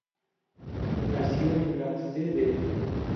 Nació en la Cd.